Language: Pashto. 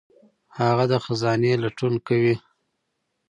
هغه د خزانې لټون کوي.